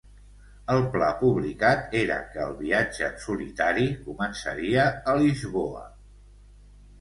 El pla publicat era que el viatge en solitari començaria a Lisboa.